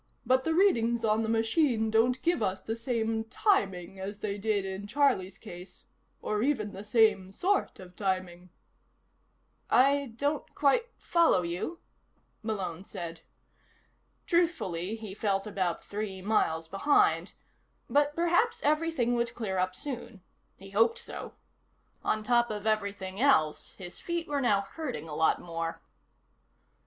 But the readings on the machine don't give us the same timing as they did in Charlie's case or even the same sort of timing." "I don't quite follow you," Malone said. Truthfully, he felt about three miles behind. But perhaps everything would clear up soon. He hoped so. On top of everything else, his feet were now hurting a lot more.